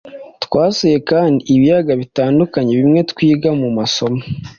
Twasuye kandi ibiyaga bitandukanye bimwe twiga mu masomo